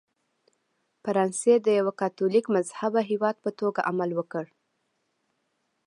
فرانسې د یوه کاتولیک مذهبه هېواد په توګه عمل وکړ.